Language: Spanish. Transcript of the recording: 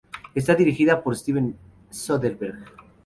Está dirigida por Steven Soderbergh.